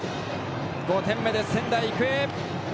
５点目です、仙台育英。